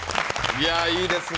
いや、いいですね。